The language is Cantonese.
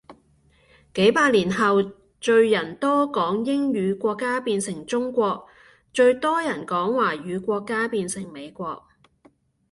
幾百年後最人多講英語國家變成中國，最多人講華語國家變成美國